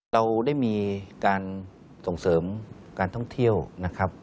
เราได้มีการส่งเสริมการท่องเที่ยวนะครับ